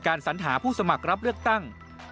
สัญหาผู้สมัครรับเลือกตั้ง